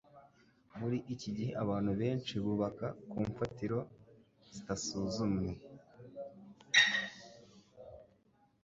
Muri iki gihe abantu benshi bubaka ku mfatiro zitasuzumwe.